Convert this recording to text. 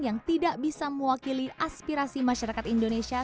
yang tidak bisa mewakili aspirasi masyarakat indonesia